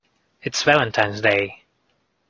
It's Valentine's Day!